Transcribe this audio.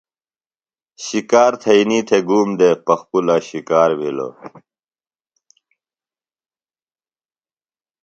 شکار تھینئی تھےۡ گوم دےۡ پخپُلہ شِکار بِھلوۡ۔